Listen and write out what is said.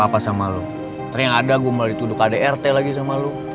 putri yang ada gue malah dituduh kdrt lagi sama lo